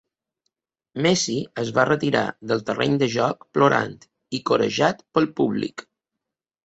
Messi es va retirar del terreny de joc plorant i corejat pel públic.